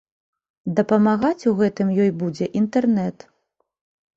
Дапамагаць у гэтым ёй будзе інтэрнэт.